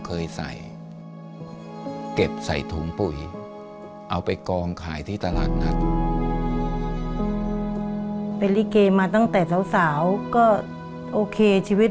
เคยใส่เก็บใส่ถุงปุ๋ยเอาไปกองขายที่ตลาดนัดเป็นลิเกมาตั้งแต่สาวก็โอเคชีวิต